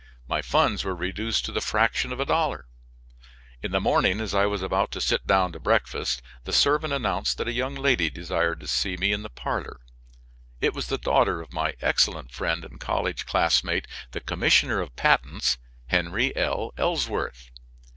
My funds were reduced to the fraction of a dollar. In the morning, as I was about to sit down to breakfast, the servant announced that a young lady desired to see me in the parlor. It was the daughter of my excellent friend and college classmate, the commissioner of patents, Henry L. Ellsworth.